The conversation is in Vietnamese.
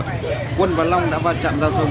quân và long đã va chạm giao thông